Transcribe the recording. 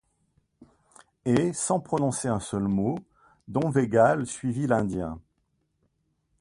Et, sans prononcer un seul mot, don Végal suivit l’Indien.